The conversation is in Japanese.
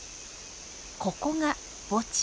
ここが墓地。